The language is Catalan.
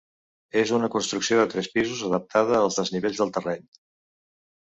És una construcció de tres pisos adaptada als desnivells del terreny.